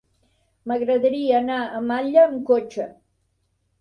M'agradaria anar a Malla amb cotxe.